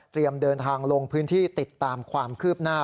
เดินทางลงพื้นที่ติดตามความคืบหน้า